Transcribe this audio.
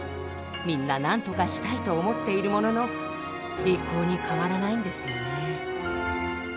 みんななんとかしたいと思っているものの一向に変わらないんですよね。